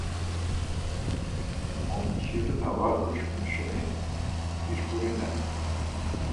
Omçiru na var uşǩun şeni işǩurinen.